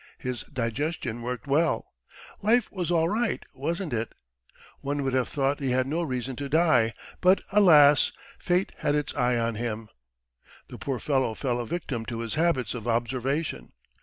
... His digestion worked well .... life was all right, wasn't it? One would have thought he had no reason to die, but alas! fate had its eye on him. ... The poor fellow fell a victim to his habits of observation.